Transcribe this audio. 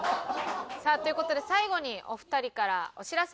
さあという事で最後にお二人からお知らせがあります。